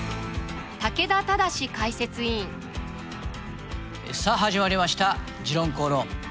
竹田忠解説委員さあ始まりました「時論公論」。